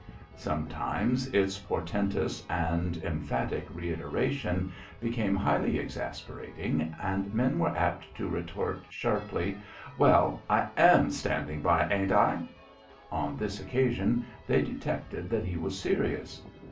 Sometimes its portentous and emphatic reiteration became highly exasperating and men were apt to retort sharply. "Well, I am standing by, ain't I?" On this occasion they detected that he was serious.